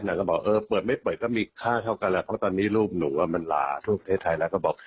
เขาบอกเออเปิดไม่เปิดก็มีค่าเท่ากันแหละเพราะตอนนี้รูปหนูมันหลาทั่วประเทศไทยแล้วก็บอก